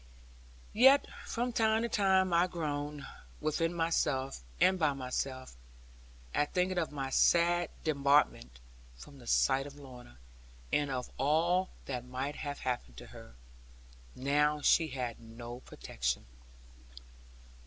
Yet from time to time I groaned within myself and by myself, at thinking of my sad debarment from the sight of Lorna, and of all that might have happened to her, now she had no protection.